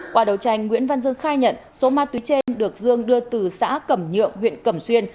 qua đầu tranh nguyễn văn dương khai nhận số ma túy trên được dương đưa từ xã cẩm nhượng huyện cẩm xuyên